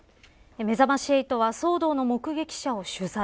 めざまし８は騒動の目撃者を取材。